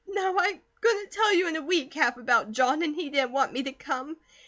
No, I couldn't tell you in a week half about John, and he didn't want me to come.